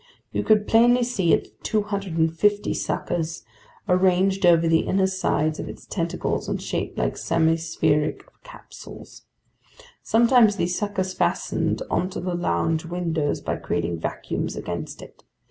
You could plainly see its 250 suckers, arranged over the inner sides of its tentacles and shaped like semispheric capsules. Sometimes these suckers fastened onto the lounge window by creating vacuums against it.